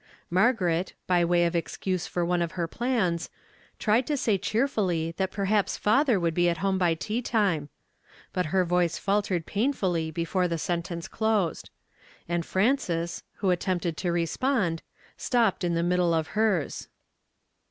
Margaret, by way of excuse for one of her plans, tried to say cheerfully that perhaps father would be at home by tea time ; but her voice faltered painfully be fore the sentence closed ; and Frances, who at tempted to respond, stopped in the middle of hers.